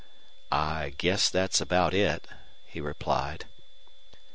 "I guess that's about it," he replied.